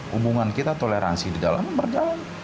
hubungan kita toleransi di dalam berjalan